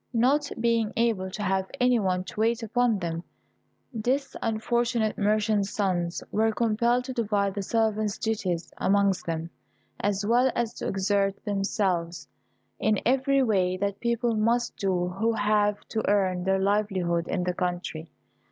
Not being able to have any one to wait upon them, this unfortunate merchant's sons were compelled to divide the servant's duties amongst them, as well as to exert themselves in every way that people must do who have to earn their livelihood in the country.